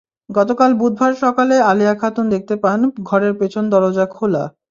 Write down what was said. গতকাল বুধবার সকালে আলেয়া খাতুন দেখতে পান, ঘরের পেছন দরজা খোলা।